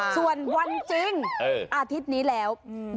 ส่วนวันจริงอาทิตย์นี้แล้ว